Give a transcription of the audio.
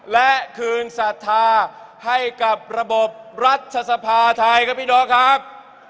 และคืนศรัทธาให้กับระบบรัฐสภาไทยครับพี่น้องครับ